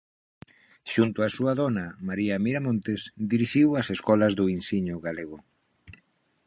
Xunto a súa dona, María Miramontes, dirixiu as Escolas do Insiño Galego.